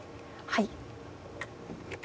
はい。